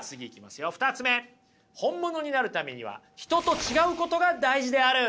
２つ目本物になるためには人と違うことが大事である。